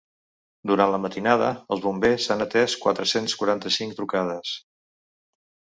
Durant la matinada, els bombers han atès quatre-cents quaranta-cinc trucades.